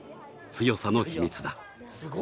強さの秘密だ。